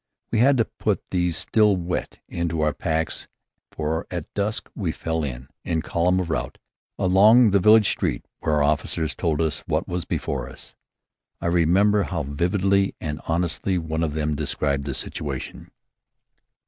We had to put these, still wet, into our packs, for at dusk we fell in, in column of route, along the village street, when our officers told us what was before us. I remember how vividly and honestly one of them described the situation.